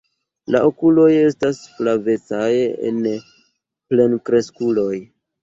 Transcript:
La okuloj estas flavecaj en plenkreskuloj.